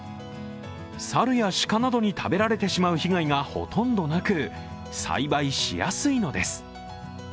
猿や鹿などに食べられてしまう被害がほとんどなく栽培しやすいのです。